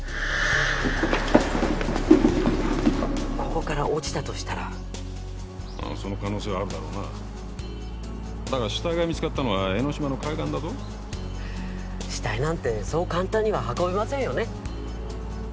ここから落ちたとしたらああその可能性はあるだろうなだが死体が見つかったのは江の島の海岸だぞ死体なんてそう簡単には運べませんよね